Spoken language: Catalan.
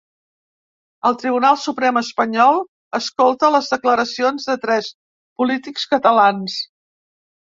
El Tribunal Suprem espanyol escolta les declaracions de tres polítics catalans